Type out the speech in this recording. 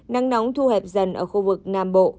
nắng nóng thu hẹp dần ở khu vực nam bộ